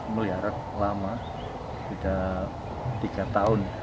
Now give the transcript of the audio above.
melihara lama sudah tiga tahun